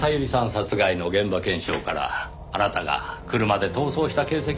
殺害の現場検証からあなたが車で逃走した形跡はありませんでした。